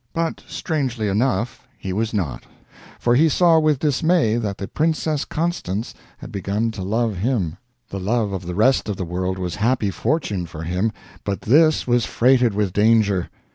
But strangely enough, he was not. For he saw with dismay that the Princess Constance had begun to love him! The love of the rest of the world was happy fortune for him, but this was freighted with danger!